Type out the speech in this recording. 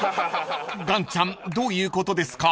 ［岩ちゃんどういうことですか？］